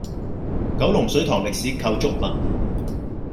九龍水塘歷史構築物